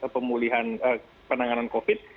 pemulihan penanganan covid sembilan belas